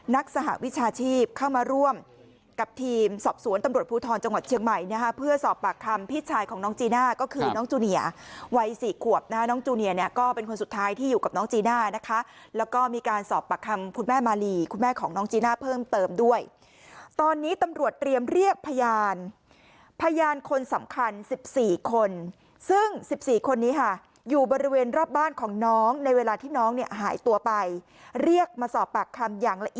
นักสหวิชาชีพเข้ามาร่วมกับทีมสอบสวนตำรวจภูทรจังหวัดเชียงใหม่นะเพื่อสอบปากคำพิชชายของน้องจิน่าก็คือน้องจูเนียไว้๔ขวบนะน้องจูเนียเนี่ยก็เป็นคนสุดท้ายที่อยู่กับน้องจีน่านะคะแล้วก็มีการสอบปากคำคุณแม่มาลีคุณแม่ของน้องจีน่าเพิ่มเติมด้วยตอนนี้ตำรวจเตรียมเรียกพยานพยาน